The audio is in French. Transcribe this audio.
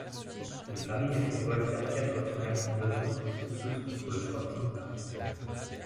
Le Paris Métropole perd quatre finale en deux ans, toutes contre le Sporting Paris.